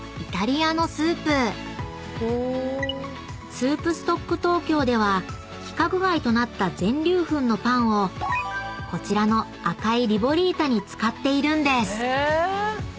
［ＳｏｕｐＳｔｏｃｋＴｏｋｙｏでは規格外となった全粒粉のパンをこちらの赤いリボリータに使っているんです］